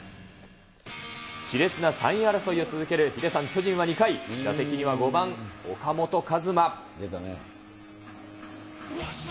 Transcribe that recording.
しれつな３位争いを続けるヒデさん、巨人は２回、打席には５番岡本和真。